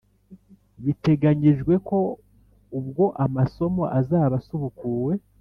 Biteganyijwe ko ubwo amasomo azaba asubukuwe